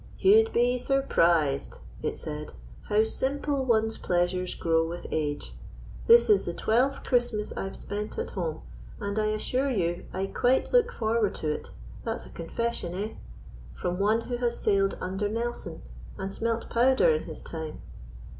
"You'd be surprised," it said, "how simple one's pleasures grow with age. This is the twelfth Christmas I've spent at home, and I assure you I quite look forward to it: that's a confession, eh? from one who has sailed under Nelson and smelt powder in his time."